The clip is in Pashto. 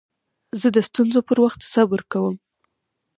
زه د ستونزو پر وخت صبر کوم.